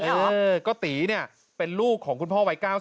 เออก็ตีเป็นลูกของคุณพ่อวัยเก๐๐๐